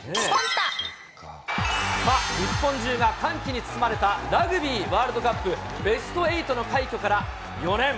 日本中が歓喜に包まれたラグビーワールドカップベスト８の快挙から４年。